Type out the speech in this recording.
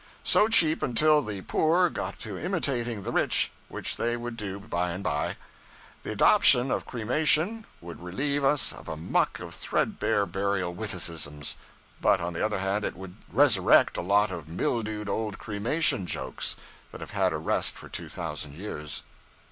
]} so cheap until the poor got to imitating the rich, which they would do by and bye. The adoption of cremation would relieve us of a muck of threadbare burial witticisms; but, on the other hand, it would resurrect a lot of mildewed old cremation jokes that have had a rest for two thousand years.